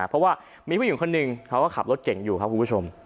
เพราะว่ามีผู้หญิงคนหนึ่งเขาก็ขับรถเก่งอยู่ครับคุณผู้ชม